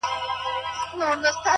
هره ورځ د نوې بدلون امکان لري؛